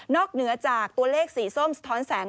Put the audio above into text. เหนือจากตัวเลขสีส้มสะท้อนแสง